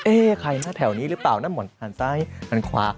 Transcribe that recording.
เอ๊ะใครนะแถวนี้หรือเปล่านั่นหม่อนขาดซ้ายนั่นขวา